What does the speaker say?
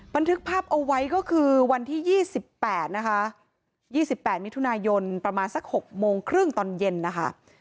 บันทึกภาพเอาไว้ก็คือวันที่ยี่สิบแปดนะคะยี่สิบแปดมิถุนายนประมาณสักหกโมงครึ่งตอนเย็นนะคะ